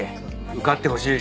受かってほしい。